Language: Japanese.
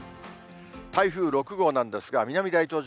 台風６号なんですが、南大東島